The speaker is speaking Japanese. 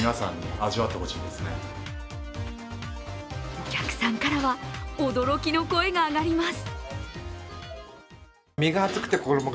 お客さんからは驚きの声が上がります。